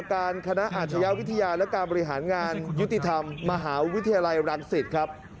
ถามจริงครับต้องโทรมาหลอกรวมชาวบ้านเท่านั้นนะครับ